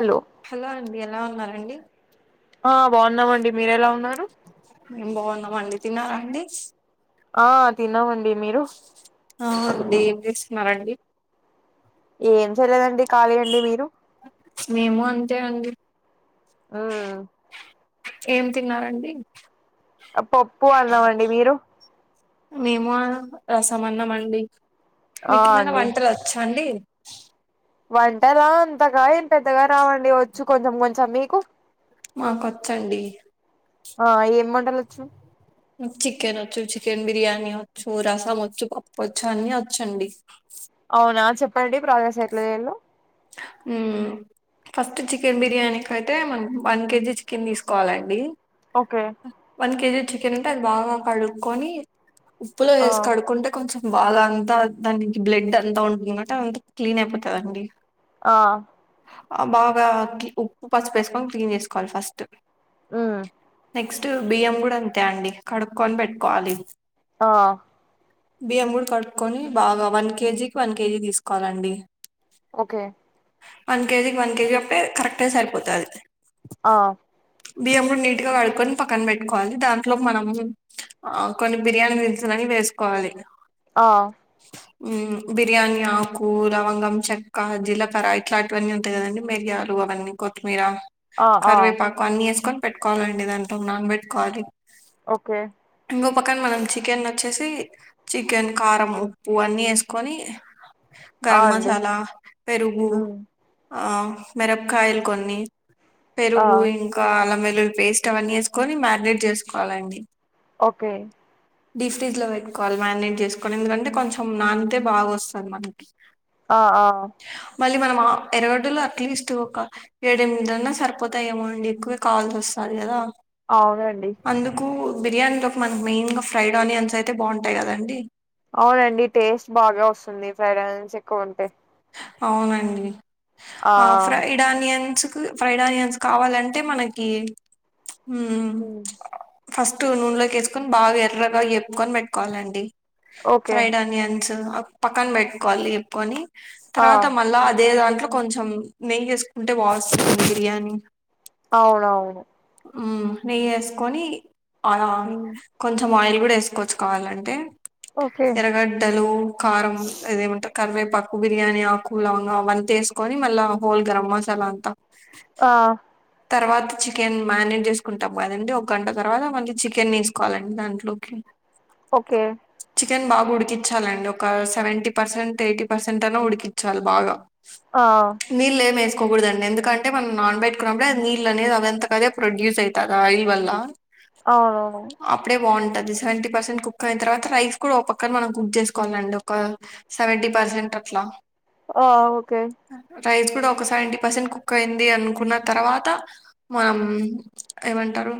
Hello hello అండి ఎలా ఉన్నారండి ఆ బావున్నామండి మీరు ఎలా ఉన్నారు బావున్ ఆ తిన్నామండి మీరు ఆ అండి ఏం చేస్తున్నారండి ఏం చేయలేదండి ఖాళీ అండి మీరు మేము అంతే అండి మ్ ఏం తిన్నారండి పప్పు అన్మమండి మీరు మేమ రసమన్నం అండి ఆ మీకెమైనా అండి వంటలు వచ్చాండి వంటలా అంతగా ఏం పెద్దగా రావండి వచ్చు కొంచెం కొంచెం మీకు మాకొచ్చండి ఆ ఏం వంటలు వచ్చు చికెన్ వచ్చు చికెన్ బిర్యానీ వచ్చు రసం వచ్చు పప్పువచ్చు అన్ని వచ్చండి ప్పండి ప్రాసెస్ ఎట్లా చేయలో మ్ ఫస్ట్ చికెన్ బిర్యానీకైతే మనం వన్ కేజీ చికెన్ తీసుకోవాలండి ఓకే వన్ కేజీ చికెన్ ఉంటే అది బాగా కడుక్కొని ఉప్పులో ఆ వేసి కడుక్కుంటే కొంచెం బాగా అంతా దానికి బ్లడ్ అంతా ఉంటుంది కాబట్టి అంతా క్లీన్ అయిపోతదండి ఆ బాగా కి ఉప్పు పసుపేసుకొని క్లీన్ చేసుకోవాలి ఫస్ట్ మ్ నెక్స్ట్ బియ్యం కుడా అంతే అండి కడుక్కొని బెట్టుకోవాలి ఆ బియ్యం కూడ కడుక్కొనీ బాగా వన్ కేజీక్ వన్ కేజీ తీసుకోవాలండి. ఓకే వన్ కేజీకి వన్ కేజీ అప్పుడే కరెక్ట్ గ సరిపోతది అది ఆ బియ్యం కూడా నీట్ గా కడుక్కొని పక్కన పెట్టుకోవాలి దాంట్లో మనము ఆ కొన్ని బిర్యానీ దినుసులని. వేసుకోవాలి ఆ ఊ బిర్యానీ ఆకూ, లవంగం, చెక్కా జీలకరా, ఇట్లాంటివన్నీ ఉంటాయి కదండి మిర్యా లు అవన్ని కొత్తిమీరా ఆ ఆ న్ని ఏసుకొన్ పెట్టుకోవాలండి దాంట్లో నాన్ పెట్టుకోవాలి. ఓకే ఇంగో పక్కన్ మనం చికెన్ ఒచ్చేసీ. చికెన్, కారం, ఉప్పూ అన్నీ ఏసుకొనీ. ఆ గరం అండి మసాలా, పెరుగూ ఉమ్ ఆ మిరప్కాయలు కొన్నీ, ఆ పెరుగూ ఇంక్ ఆ అల్లం వెల్లుల్లి పేస్ట్ అవన్నీ ఏసుకొని మారినేట్ చేసుకోవాలండి. ఓకే డీప్ ఫ్రిడ్జ్ లో పెట్టుకోవాలి మ్యారినేట్ చేసుకొని ఎందుకంటే కొంచెం నానితే బాగొస్తది మనకి. ఆ ఆ మళ్ళీ మనం ఆ ఎర్రగడ్డలూ అట్లీస్ట్ ఒక ఏడ్ ఎనిమిదన్నా సరిపోతాయేమో అండి. క్కువే కాల్ చేస్తాది గదా అవునండి బిర్యానీలోకి మనక్ మెయిన్ గా ఫ్రైడ్ ఆనియన్స్ అయితే బాగుంటాయి కద అండి. అవునండి టేస్ట్ బాగా వస్తుంది ఫ్రైడ్ ఆనియన్స్ ఎక్కువ ఉంటే. అవునండి ఆ ఫ్రైడ్ ఆనియన్సు కు ఫ్రైడ్ ఆనియన్స్ కావాలంటే మనకీ హ్మ ఫస్టు నూనెలోకి ఏసుకొన్ బాగా ఎర్రగా ఏపుకొన్ పెట్టుకోవాలండి. ఓకే ఫ్రైడ్ ఆనియన్ న్స్ అ పక్కన్ బెట్టుకోవాలి ఏపుకొనీ ఆ తర్వాతా మళ్ళా అదే దాం ట్లో కొంచెం నెయ్యి ఏసుకుంటే బావొస్తుంది బిర్యానీ. అవునవును హ్మ నెయ్యి ఏసుకొనీ ఆ హ్మ్. కొంచెం ఆయిల్ గూడా ఏసుకోవచ్చు కావాలంటే. ఓకే ఎరగడ్డలూ, కారం అదేమంటర్ కరివేపాక్క్ బిర్యానీ ఆకు, లవంగా అవ్వంతా ఏసుకొని మళ్ళా హోల్ గరం మసాలా అంతా ఆ తర్వాత చికెన్ మ్యారినేట్ చేసుకుంటాం కదండి ఒక గంట తర్వాత మళ్ళీ చికెన్ ఏసుకోవాలండి దాంట్లోకి. ఓకే చికెన్ బాగా ఉడికిచ్ఛాలండి ఒకా సెవెంటీ పర్సెంట్ ఎయిటీ పర్సెంట్ అన్న ఉడికిచ్ఛాలి బాగా. ఆ నీళ్ళ్ ఏమి ఏసుకోకూడదండి ఎందుకంటే మనం నాన్ బెట్ ట్టి నప్పుడే అది నీళ్ళ్ అనేది అవంతక్ అదే పొడ్యూస్ అయితాది ఆయిల్ వల్లా. అవునవును అప్పుడే బావుంటద్ సెవెంటీ పర్సెంట్ కుక్ అయిన్ తర్వాత రైస్ కూడా ఓపక్కన్ మనం కుక్ చేసుకోవాలండి ఒకా సెవెంటీ పర్సెంట్ అట్ ట్లా ఆ ఓకే రైస్ కూడా ఒక సెవెంటీ పర్సెంట్ కుక్ అయింది అనుకున్నా తర్వాత మనం ఏమంటారు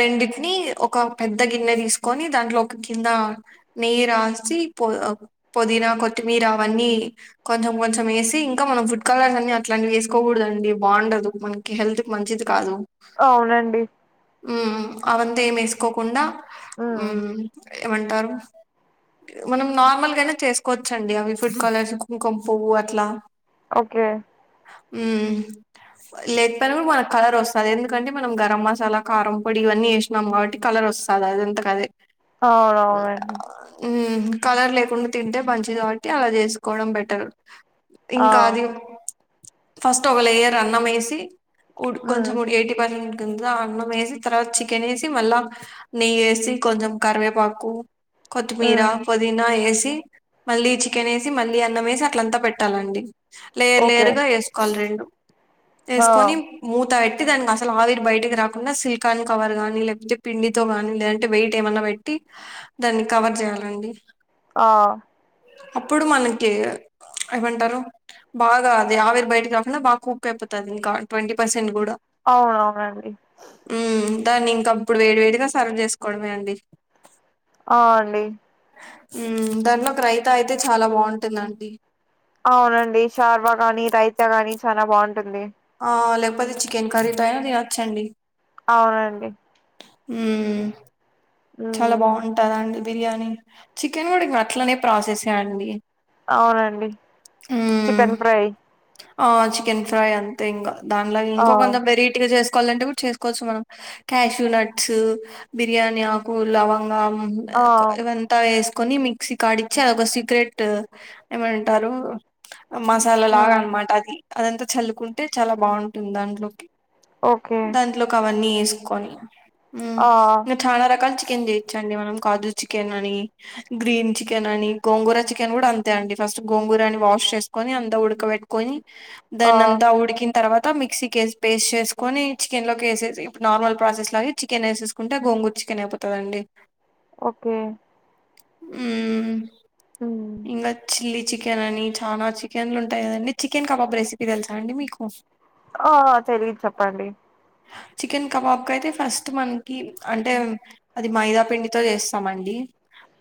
రెండిటిని ఒక పెద్ద గిన్నె తీసుకొని దాంట్లో ఒక కింద నెయ్యి రాస్ సి ప్ పుదీనా కొత్తిమీర అవన్నీ కొంచెం కొంచెం ఏసి, ఇంకా మనం ఫుడ్ కలర్స్ అన్ అట్లాంటివి వేసుకోకూడదండి బాగుండదు, మనకి హెల్త్ మంచిది కాదు. అవునండి ఉమ్ అవంతా ఏం ఏసుకోకుండా, మ్మ్ ఉమ్ ఏమంటారు మనం నార్మల్గనే చేసుకోవచ్చండి, అవి ఫుడ్ కాలర్స్, కుంకం పువ్వు అట్లా ఓకే ఉమ్ లెక్ పోయిన గుడ మనక్ కలర్ వస్తది ఎందుకంటే, మనం గరం మసాలా కారం పొడి ఇవన్నీ ఏసినం కాబట్టి క కలర్ వస్తాదదే అది అంతకదే అవునవునండి. ఉమ్ కలర్ లేకుండ తింటే మంచిది కాబట్టి అలా చేసుకోవడం బెటర్, ఆ ఇంకా అది ఫస్ట్ ఒక లేయర్ అన్నం ఏసి, ఉడ్ మ్మ్ కొంచం ఉడ్ ఎయిటీ పర్సెంట్ దీంట్లో అన్నం ఏసి, తర్వాత చికెన్ ఏసి మళ్లా, నెయ్య ఏసి, కొంచం కరవేపాకు కొత్మీరా, మ్మ్ పుదీనా ఏసి ది మళ్ళీ చికెన్ ఏసి, మళ్ళీ అన్నం ఏసి అట్లంతా పెట్టాలండి. లేర్ ఓకే లేయర్ గా ఏసుకోవాలి రెండు, ఆ ఏసుకొని మూత్ పెట్టి దానికి అసలు ఆవిరి బయటకి రాకుండా సిల్కాన్ కవర్ గానీ లేకపోతే పిండితో కాని, లేదంటే వెయిట్ ఏమన్నా పెట్టి దాన్ని కవర్ చేయాలండి ఆ అప్పుడు మనకి ఏమంటారు, బాగా అది ఆవిరి బయటికి రాకుండా బాగా కుక్ క్ అయిపోతాది ఇంకా, ట్వంటీ పర్సెంట్ గూడ అవునవునండి ఉమ్ దాన్ని ఇంక అప్పుడు వేడి వేడిగా సర్వ్ చేసుకోవడమే అండి. ఆ అండి ఉమ్ దానిలోకి రైతా అయితే చాలా బాగుంటుందండి. అవునండి శార్వా గాని, రైతా గాని చాలా బాగుంటుంది. ఆ లేకపోతే చికెన్ కర్రీతో అయినా తినొచ్చండి. అవునండి ఉమ్ చాలా మ్మ్ బాగుంటదండి. బిర్యానీ, చికెన్ గుడా ఇప్పుడు అట్లనే ప్రాసెసే అండి. అవునండి, ఉమ్ చికెన్ ఫ్రై ఆ చికెన్ ఫ్రై అంతే ఇంగా, దానిలాగ ఆ ఇంకో కొంత వెరైటీగా చేసుకోవాలంటే గుడ చేసుకోవచ్చు మనం. క్యాష్యూ నట్స్, బిర్యానీ ఆకు, లవంగం ఆ కు ఇవంతా వేస్ కొని మిక్సీ కాడిచ్చి అదొక సీక్రెట్ ఏమంటారు మసాల ఆ లాగా అనమాట అది, అదంతా చల్లుకుంటే చాలా బాగుంటుంది దాంట్లోకి. ఓకే దాంట్లోకవన్నీ ఏసుకొని ఉమ్ ఆ ఇంకా చాలా ర చికెన్ చేయచ్చండి మనం కాజు చికెన్ అని, గ్రీన్ చికెన్ అని, గోంగూర చికెన్ గుడ అంతే అండి. ఫస్ట్ గోంగూరని వాష్ చేసుకొని అంతా ఉడకబెట్టుకొని, ఆ దాన్ని అంతా ఉడికిన తర్వాత మిక్సీకేస్ పేస్ట్ చేసుకొని చికెన్ లో ఏసేసి ఇప్పుడు నార్మల్ ప్రాసెస్ లాగే, చికెన్ ఏసేసుకుంట గోంగుర్ చి కన్ అయిపోతదండి. ఓకే ఉమ్ మ్మ్ ఇంగ చిల్లీ చికెన్ అని చాలా చికెన్లు ఉంటాయి కదండి, చికెన్ కబాబ్ రెసిపీ తెలుసా అండి మీకు? ఆ తెలీదు చెప్పండి. చికెన్ కబాబ్ కయితే ఫస్ట్ మనకి అంటే అది మైదా పిండితో చేస్తామండి,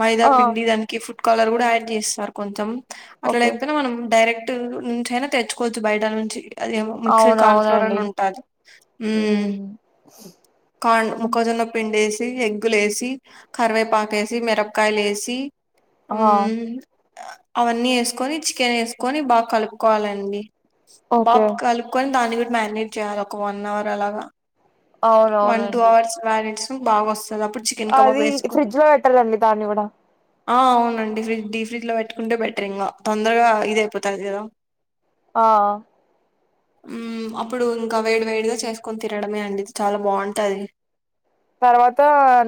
మైదా ఆ పండి దానికి ఫుడ్ కలర్ కూడా యాడ్ చేస్తారు కొంచెం అట్లా ఓకే లేకపోయినా మనం డైరెక్ట్ నుంచి అయినా తెచ్చుకోవచ్చు బయట నుంచి అది మిక్స్డ్ కార్న్ఫ్లోర్ అని అవునవునండి ఉంటాది మ్మ్ కా ముఖజన్న పిండేస్ ఎగ్గులేసి కరివేపాక వేసి మిరపకాయలు వసి ఆ అవన్నీ వేసుకొని చికెన్ వేసుకొని బాగా కలుపుకోవాలండి బాబ ఓకే కలుపుకొని దాన్ని కూడా మ్యారనేజ్ చేయాలి ఒక వన్ అవర్ అలాగా వన్ టూ అవునవునండి అవర్స్ వ్యారెంట్స్ బాగా వస్తది దదపుడు చికెన్ కబాబ్ అది ఫ్రిడ్జ్ వేసుకుంట లో పెట్టాలండి దాన్ని కూడా అవునండి ఫ్రిజ్ డీ ఫ్రిడ్జ్లో పెట్టుకుంటే బెటర్ ఇంకా తొందరగా ఇది అయిపోతుంది కదా ఆ అప్పుడు ఇంకా వేడి వేడిగా చేసుకొని తినడమే అండి చాలా బాగుంటుది తర్వాత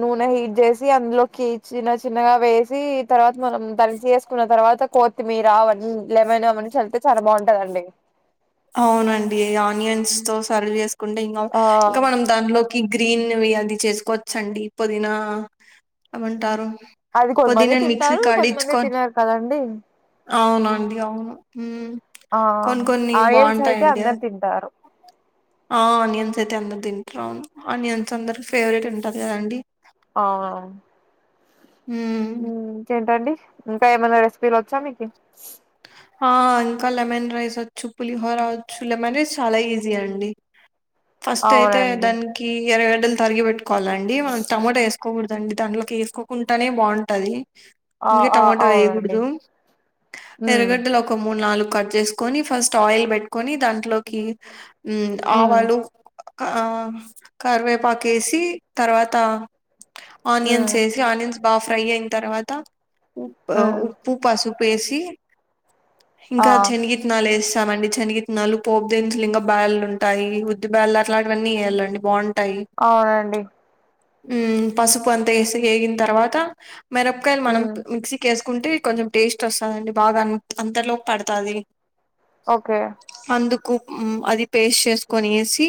నూనె చేసి అందులోకి చిన్న చిన్నగా వేసి తర్వాత మనం దంచి వేసుకున్న తర్వాత కొత్తిమీర అవ లేమైనా అవ నుంచి చళ్తే చాలా బాగుంటదండి అవునండి ఆనియన్స్ తో సర్వ్ చేసుకుంటే ఇంకా ఆ ఇంకా మనం దాంట్లో గ్రీన్వి అది చేసుకోవచ్చండి పుదీనా అమంటారు అది కొంతమంది పదనాను మిక్సీ తింటారు కడిచ్చుక కొంతమంది తినరు కదండి అవును అండి అవును హూ ఆ ఆయల్స్ అయితే అందరు తింటారు ఆ ఆనియన్స్ అయితే అందరు తింటారు ఆనియన్స్ అందరు ఫేవరెట్ ఉంటారు కదండి ఆ హ్మ్ ఇంక ఏంటండి ఇంకా ఏమైన్నా రెసిపీలు వచ్చా మీకి హా ఇంకా లెమన్ రైస్ వచ్చు పులిహోర వచ్చు లెమన్ రైస్ చాలా ఈజీ అండి ఫస్ట్ అయితే అవునండి దానికి ఇరవై గడలు తరిగి పెట్టుకోవాలండి మనం టమమాటా వేసుకోకూడదు డి దానిలోకి వేసుకోకుండానే బాగుంటది ఆ ఇంకా ఆ టొమాటో అవునండి వేయకూడదు ఉమ్ ఎరగడ్డలో ఒక మూడు నాలుగు కట్ చేసుకొని ఫస్ట్ ఆయిల్ పెట్టుకొని దాంట్లోకి ఉమ్ ఆవాలు కరివేపాక వేసి తర్వాత ఆనియన్స్ ఉమ్ వేసి ఆనియన్స్ బాగా ఫ్రై అయిన తర్వాత ఉ ఉమ్ ఉప్పు పసుపు వేసి ఆ ఇంకా శనగితనాలు వేసి మండి చనిగినాలు పోపు దించలు ఇంకా బయల్లు ఉంటాయి ఉద్ది బయల్లు అలాంటివన్నీ వయాలండి బాగుంట అవునండి ఉ పసుపు అంత వేసి వేగిన తర్వాత మిరపకాయలు మనం ఉమ్ మిక్సీకి వేసు కుంటే కొంచెం టేస్ట్ వస్తుందిండి బాగా అంతలోకి పడుతుంది ఓకే కుప్ అది పేస్ట్ చేసుకొని వేసి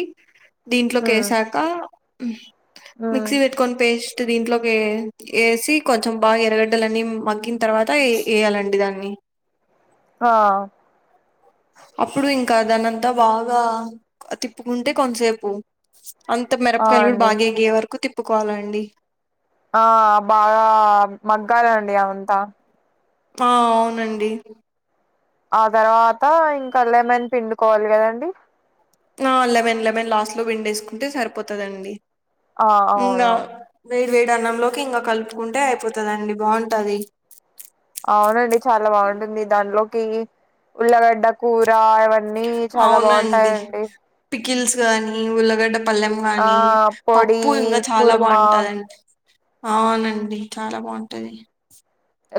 దీంట్లోకి ఉమ్ వేసాక ఉమ్ మిక్సీ పేర్కొని పేస్ట్ దీంట్లోకి వేసి కొంచెం బాగా ఎరగడ్డలని మగ్గి తర్వాత వేయాలండి దాన్ని ఆ అప్పుడు ఇంకా దానింతా బాగా తిప్పుకుంటే కొంతసేపు అంత మిరప ఆ కలుడు అండి బాగా ఎయ్యే వరకు తిప్పుకోవాల అండి ఆ బాగా మగ్గాలండి అవంతా ఆ అవునండి. ఆ తర్వాత ఇంక లెమన్ పిండుకోవాలి కదండి. ఆ లెమెన్ లెమెన్ లాస్ట్లో పిండెసుకుంటే సరిపోతదండి. ఆ అవును. వేడన్నంలోకి ఇంగ కలుపుకుంటే అయిపోతదండి బాంటది. అవునండి చాలా బాగుంటుంది దాన్లోకి ఉల్లగడ్డ కూర అవన్నీ చాలా బాగుంటాయండి. కిల్స్ గానీ ఉల్లగడ్డ పల్లెం ఆ గాని పొడి పప్పు ఇంగా చాలా కుర్మా బాంటదండి. అవునండి చాలా బాంటది.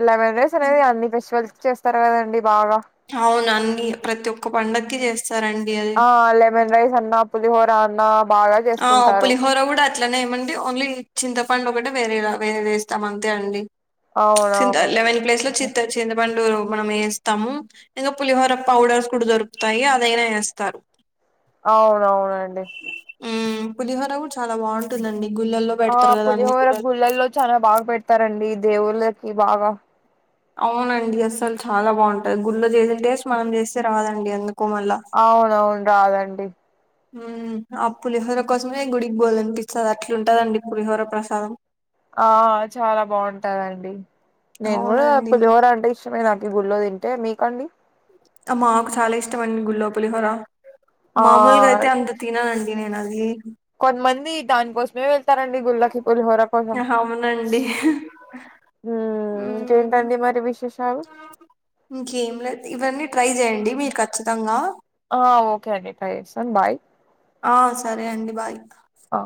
లెమెన్ రేస్ అనేది అన్ని ఫెస్టివల్స్కి చేస్తారు కదండి. బాగా అవును అన్నీ ప్రతి ఒక్క పండగ్కి చేస్తారండి అది ఆ లెమన్ రైస్ అన్నా పులిహోర అన్నా బాగా ఆ చేసుకుంటారు పులిహోర కూడా అట్లనే ఏమంటే ఒన్లీ చింతపండు ఒకటే వేరేగా వేరే వేస్తాం అంతే అండి చింత అవునవును లెమెన్ ప్లేస్లో హ్మ్. చింత చింతపండు మనమేస్తాము ఇంకా పులిహోర పౌడర్స్ కూడా దొరుకుతాయి అదైనా ఏస్తారు. అవునవునండి. మ్మ్ పులిహోర కూడా చాలా బాగుంటుందండి. గుళ్ళల్లో ఆ పెడతారు కదా అన్ని పులిహోర గుళ్ళల్లో చాలా బాగ పెడతారండి దేవుళ్ళకి బాగా అవునండి అసలు చాలా బాగుంటది గుళ్ళో చేసిన టేస్ట్ మనం చేస్తే రాదండి అందు అవునవును రాదండి. హ్మ్ ఆ పులిహోర కోసమే గుడికి బొల్లన్పిస్తది అట్లుంటదండి పులిహోర ప్రసాదం ఆ చాలా బాగుంటాదండి. నేను కూడా అవునండి పులిహోర అంటే ఇష్టమే నాకు ఈ గుళ్ళో తింటే మీకండి ఆ మాకు చాలా ఇష్టమండి గుళ్ళో పులిహోర మామూలుగా అయితే ఆ అంత తిననండి నేనది కొంతమంది దానికోసమే వెళ్తారండి గుళ్ళకిీ పులిహోర కోసం ఆహా అవునండి మ్మ్ మ్మ్. ఇంకేంటండి మరి విశేషాలు ఇంకేం లేదు. ఇవన్నీ ట్రై చేయండి మీరు ఖచ్చితంగా ఆ ఓకే అండి ట్రై చేస్తాను బాయ్. ఆ సరే అండి బాయ్ ఇంక ఆ